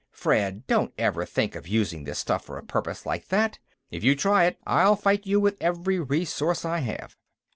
Fred, don't ever think of using this stuff for a purpose like that. If you try it, I'll fight you with every resource I have."